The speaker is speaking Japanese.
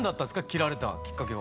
切られたきっかけは。